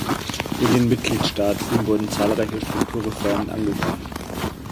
In den Mitgliedstaaten wurden zahlreiche Strukturreformen angegangen.